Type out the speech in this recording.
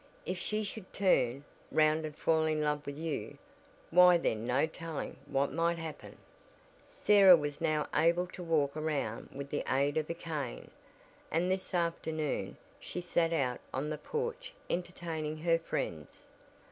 "If she should turn 'round and fall in love with you why then no telling what might happen." Sarah was now able to walk around with the aid of a cane, and this afternoon she sat out on the porch entertaining her friends.